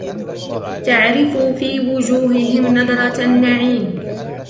تَعْرِفُ فِي وُجُوهِهِمْ نَضْرَةَ النَّعِيمِ